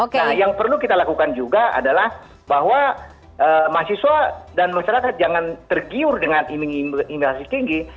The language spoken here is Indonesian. nah yang perlu kita lakukan juga adalah bahwa mahasiswa dan masyarakat jangan tergiur dengan imigrasi tinggi